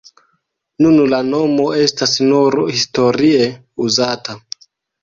Nun la nomo estas nur historie uzata.